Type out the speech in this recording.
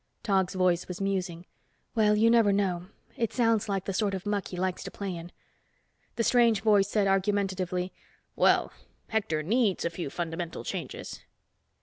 Tog's voice was musing. "Well, you never know, it sounds like the sort of muck he likes to play in." The strange voice said argumentatively, "Well, Hector needs a few fundamental changes."